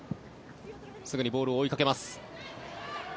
すぐにボールを追いかけます。